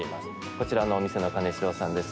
こちらのお店の金城さんです。